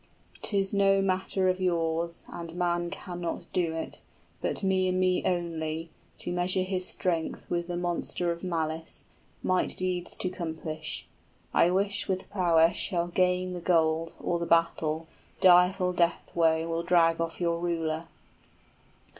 70 'Tis no matter of yours, and man cannot do it, But me and me only, to measure his strength with The monster of malice, might deeds to 'complish. I with prowess shall gain the gold, or the battle, Direful death woe will drag off your ruler!"